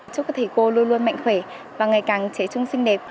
chúc các thầy cô luôn luôn mạnh khỏe và ngày càng chế trung sinh đẹp